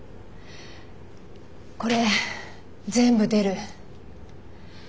これ全部出る。